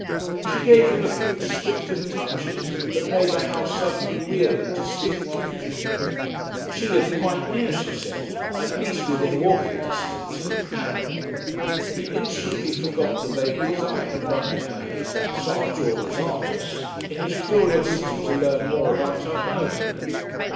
She gave him a few descriptive touches that made the house suddenly real and distinctive to him. She lived quite near, she said, at least within walking distance, in Clapham. He instantly forgot the vague design of lending her his "Sartor Resartus" in his curiosity to learn more about her home.